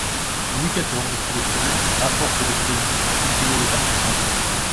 Louis quatorze pouvait seul, à force de folies, supprimer le parti français.